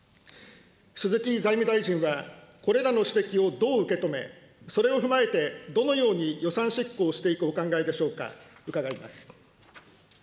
鈴木財務大臣は、これらの指摘をどう受け止め、それを踏まえてどのように予算執行していくお考えでしょうか、伺います。